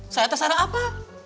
saya terserah apa